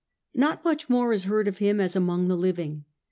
Not much more is heard of him as among the living.